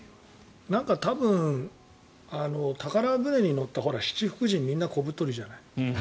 なんか多分宝船に乗った七福神、みんな小太りじゃない。